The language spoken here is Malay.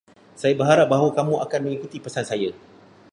Saya berharap bahawa kamu akan mengikuti pesan saya.